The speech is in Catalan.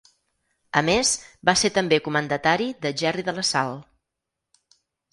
A més, va ser també comendatari de Gerri de la Sal.